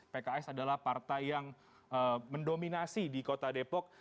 pks adalah partai yang mendominasi di kota depok